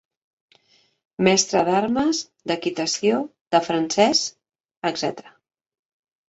Mestre d'armes, d'equitació, de francès, etc.